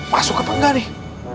masuk apa enggak nih